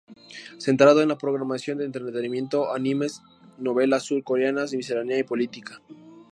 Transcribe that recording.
Centrado en la programación de entretenimiento, animes, novelas sur coreanas, miscelánea y política.